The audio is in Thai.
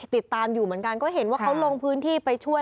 ติดตามอยู่เหมือนกันก็เห็นว่าเขาลงพื้นที่ไปช่วย